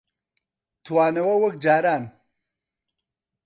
توانەوە وەک جاران